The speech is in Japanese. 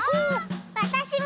わたしも！